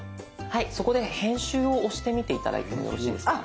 はいそこで編集を押してみて頂いてもよろしいですか？